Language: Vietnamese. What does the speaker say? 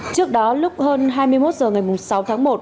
trước đó lúc hơn hai mươi một h ngày sáu tháng một